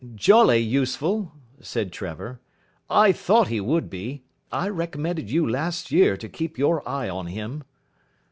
"Jolly useful," said Trevor. "I thought he would be. I recommended you last year to keep your eye on him."